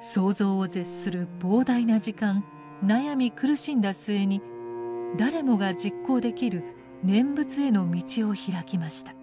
想像を絶する膨大な時間悩み苦しんだ末に誰もが実行できる念仏への道を開きました。